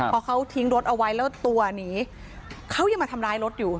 พอเขาทิ้งรถเอาไว้แล้วตัวหนีเขายังมาทำร้ายรถอยู่